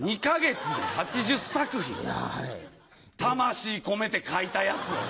魂込めて書いたやつを？